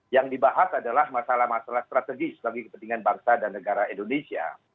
yang dibahas adalah masalah masalah strategis bagi kepentingan bangsa dan negara indonesia